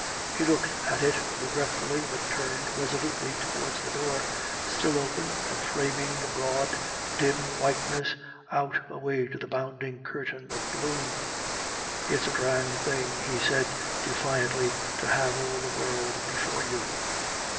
He looked at it regretfully, but turned resolutely towards the door, still open, and framing the broad dim whiteness out away to the bounding curtain of gloom. "It's a grand thing," he said defiantly, "to have all the world before you."